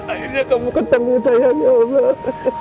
akhirnya kamu ketemu saya hanya allah